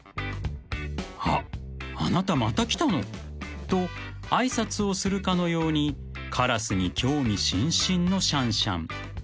［あっあなたまた来たの？と挨拶をするかのようにカラスに興味津々のシャンシャン］